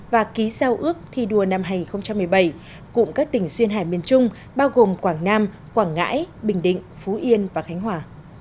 và ký giao ước thi đua năm hai nghìn một mươi bảy cụm các tỉnh duyên hải miền trung bao gồm quảng nam quảng ngãi bình định phú yên và khánh hòa